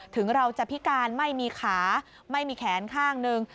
ถึงเราจะพิการไม่มีขาไม่มีแขนข้างหนึ่ง